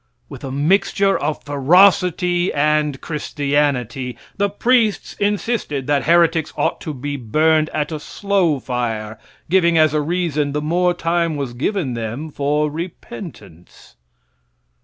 With a mixture of ferocity and christianity, the priests insisted that heretics ought to be burned at a slow fire, giving as a reason, that more time was given them for repentance.